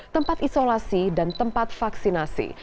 tempat isolasi dan tempat vaksinasi